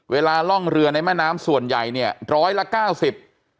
ล่องเรือในแม่น้ำส่วนใหญ่เนี่ยร้อยละเก้าสิบ